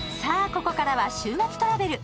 ここからは週末トラベル